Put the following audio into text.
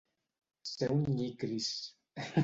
Ser un nyicris.